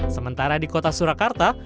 sementara di kota surakarta